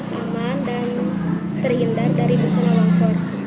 lebih aman dan terhindar dari becana longsor